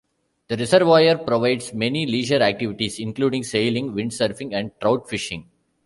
The reservoir provides many leisure activities including sailing, windsurfing and trout-fishing.